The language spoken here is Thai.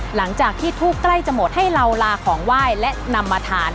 หลังจากที่ทูบใกล้จะหมดให้เราลาของไหว้และนำมาทาน